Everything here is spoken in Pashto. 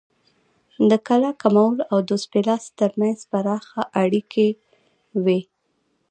د کلاکمول او دوس پیلاس ترمنځ پراخې اړیکې وې